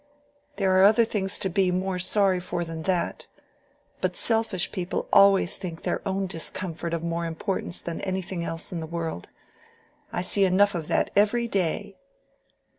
"There are other things to be more sorry for than that. But selfish people always think their own discomfort of more importance than anything else in the world. I see enough of that every day."